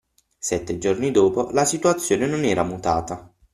Sette giorni dopo, la situazione non era mutata.